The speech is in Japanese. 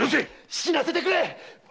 死なせてくれ！